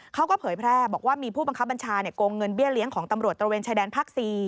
เผยแพร่บอกว่ามีผู้บังคับบัญชาโกงเงินเบี้ยเลี้ยงของตำรวจตระเวนชายแดนภาค๔